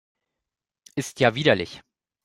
Ist ja widerlich!